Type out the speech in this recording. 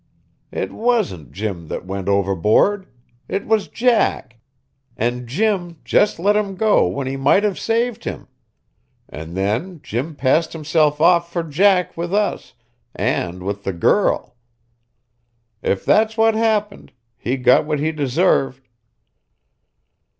It wasn't Jim that went overboard; it was Jack, and Jim just let him go when he might have saved him; and then Jim passed himself off for Jack with us, and with the girl. If that's what happened, he got what he deserved.